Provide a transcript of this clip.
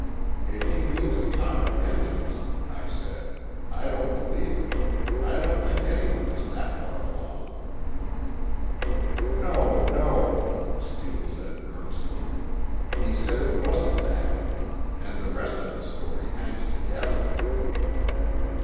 "If he means atomic engines," I said, "I don't believe it. I don't think anyone is that far along." "No, no," Steele said earnestly, "he said it wasn't that. And the rest of the story hangs together."